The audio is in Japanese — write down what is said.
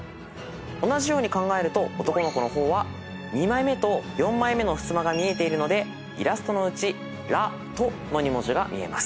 同じように考えると男の子の方は２枚目と４枚目のふすまが見えているのでイラストのうち「ラ」「ト」の２文字が見えます。